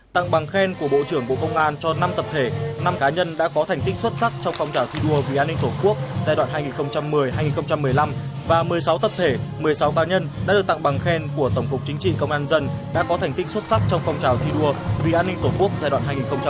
tặng bằng khen của bộ trưởng bộ công an cho năm tập thể năm cá nhân đã có thành tích xuất sắc trong phong trào thi đua vì an ninh tổ quốc giai đoạn hai nghìn một mươi hai nghìn một mươi năm và một mươi sáu tập thể một mươi sáu cá nhân đã được tặng bằng khen của tổng cục chính trị công an dân đã có thành tích xuất sắc trong phong trào thi đua vì an ninh tổ quốc giai đoạn hai nghìn một mươi hai hai nghìn một mươi tám